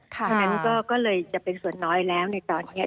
เพราะฉะนั้นก็เลยจะเป็นส่วนน้อยแล้วในตอนนี้